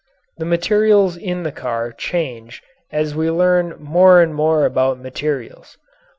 The materials in the car change as we learn more and more about materials.